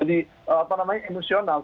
jadi apa namanya emosional